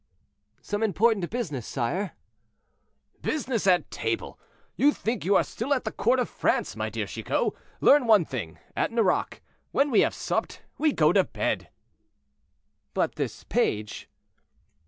"Some important business, sire?" "Business at table! You think you are still at the court of France, my dear Chicot. Learn one thing; at Nerac, when we have supped, we go to bed." "But this page?"